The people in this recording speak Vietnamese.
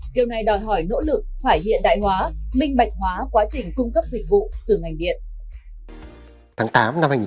điều này đòi hỏi nỗ lực phải hiện đại hóa minh bạch hóa quá trình cung cấp dịch vụ từ ngành điện